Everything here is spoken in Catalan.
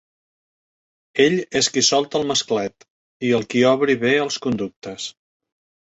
Ell és qui solta el masclet, i el qui obri bé els conductes.